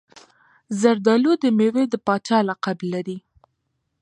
زردالو د میوې د پاچا لقب لري.